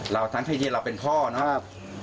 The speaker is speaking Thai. เราทั้งที่เราเป็นพ่อเนาะ